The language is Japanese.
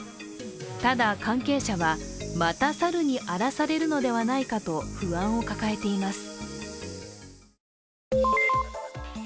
ただ、関係者は、また猿に荒らされるのではないかと不安を抱えています。